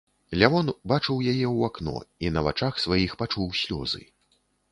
Лявон бачыў яе ў акно і на вачах сваіх пачуў слёзы.